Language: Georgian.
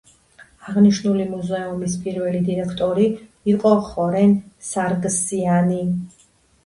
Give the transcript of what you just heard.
აღნიშნული მუზეუმის პირველი დირექტორი იყო ხორენ სარგსიანი.